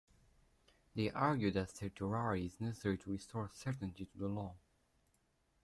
They argue that certiorari is necessary to restore certainty to the law.